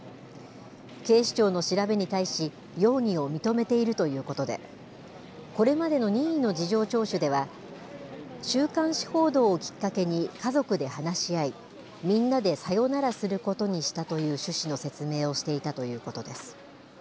警視庁の調べに対し、容疑を認めているということで、これまでの任意の事情聴取では、週刊誌報道をきっかけに家族で話し合い、みんなでさよならすることにしたという趣旨の説明をしていたということです。